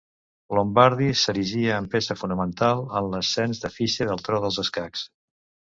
Lombardy s'erigiria en peça fonamental en l'ascens de Fischer al tro dels escacs.